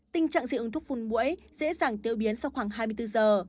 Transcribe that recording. tình trạng dị ứng thuốc phun mũi dễ dàng tiêu biến sau khoảng hai mươi bốn giờ